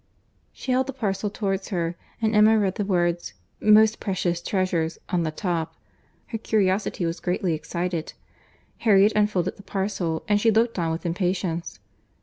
She held the parcel towards her, and Emma read the words Most precious treasures on the top. Her curiosity was greatly excited. Harriet unfolded the parcel, and she looked on with impatience.